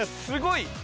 すごい！